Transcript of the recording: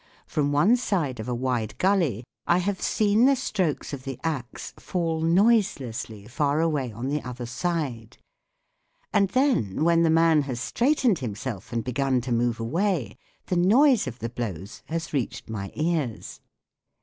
From one side of a wide gully I have seen the strokes of the axe fall noiselessly far away on the other side, and then when the man has straightened himself and begun to move away, the noise of the blows has reached my ears.